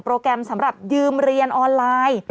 แกรมสำหรับยืมเรียนออนไลน์